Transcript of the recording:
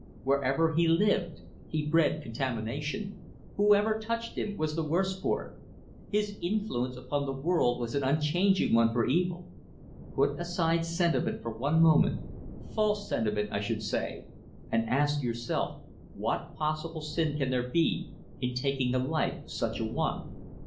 Wherever he lived, he bred contamination. Whoever touched him was the worse for it. His influence upon the world was an unchanging one for evil. Put aside sentiment for one moment, false sentiment I should say, and ask yourself what possible sin can there be in taking the life of such a one.